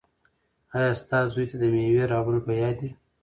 ایا ستا زوی ته د مېوې راوړل په یاد دي؟